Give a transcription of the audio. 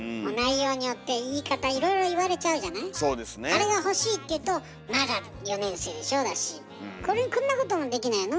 「あれが欲しい」って言うと「まだ４年生でしょ」だし「これこんなこともできないの？